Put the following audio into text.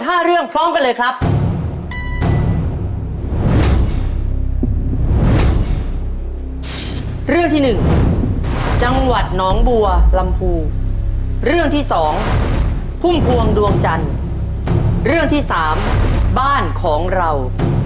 เรื่องพร้อมกันเลยครับ